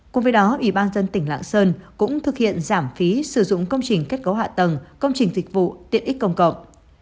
cùng với đó ủy ban dân tỉnh lạng sơn cũng thực hiện giảm phí sử dụng công trình kết cấu hạ tầng công trình dịch vụ tiện ích công cộng